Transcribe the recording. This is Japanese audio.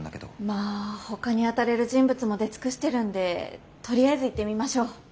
まあほかに当たれる人物も出尽くしてるんでとりあえず行ってみましょう。